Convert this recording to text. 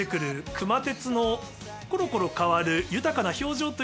熊徹のコロコロ変わる豊かな表情というのが